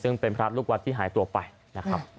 ซึ่งเป็นพระลูกวัดที่หายตัวไปนะครับ